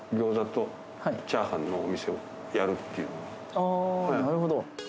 あなるほど。